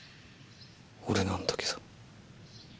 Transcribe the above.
俺なんだけど。